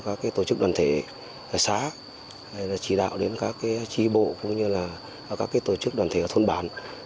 các tổ chức đoàn thể xã chỉ đạo đến các tri bộ cũng như các tổ chức đoàn thể thôn bản